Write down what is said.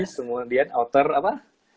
semudian author apa